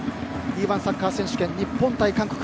Ｅ‐１サッカー選手権日本対韓国。